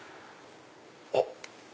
あっ！